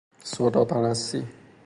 سودا پرستی